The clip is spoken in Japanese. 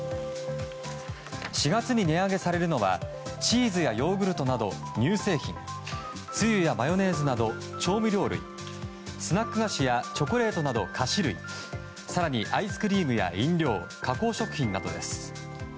４月に値上げされるのはチーズやヨーグルトなど乳製品つゆやマヨネーズなど調味料類スナック菓子やチョコレートなど菓子類更に、アイスクリームや飲料加工食品などです。